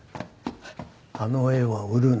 あの絵は売るな。